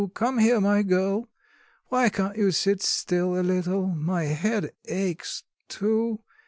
Come here, my girl; why can't you sit still a little? My head aches too.